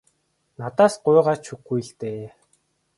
Надаас гуйгаа ч үгүй л дээ.